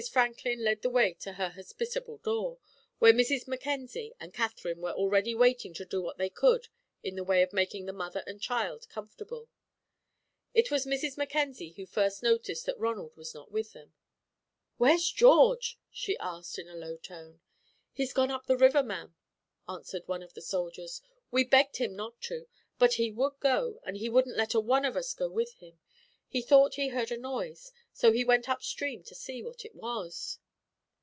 Franklin led the way to her hospitable door, where Mrs. Mackenzie and Katherine were already waiting to do what they could in the way of making the mother and child comfortable. It was Mrs. Mackenzie who first noticed that Ronald was not with them. "Where's George?" she asked, in a low tone. "He's gone up the river, ma'am," answered one of the soldiers. "We begged him not to, but he would go, and he wouldn't let a one of us go with him. He thought he heard a noise, so he went up stream to see what it was."